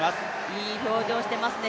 いい表情をしていますね